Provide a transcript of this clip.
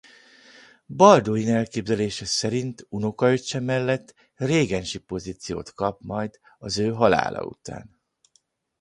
Balduin elképzelése szerint unokaöccse mellett régensi pozíciót kap majd az ő halála után.